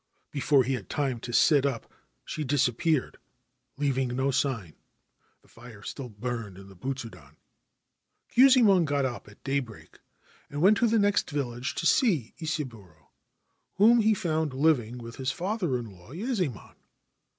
Before he had time to sit up she disappeared, leaving no sign ; the fire still burned in the butsudan. Kyuzaemon got up at daybreak, and went to the next village to see Isaburo, whom he found living with his father in law, Yazaemon.